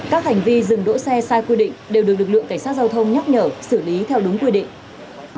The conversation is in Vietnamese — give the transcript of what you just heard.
các hành vi dừng đỗ xe sai quy định đều được lực lượng cảnh sát giao thông nhắc nhở xử lý theo đúng quy định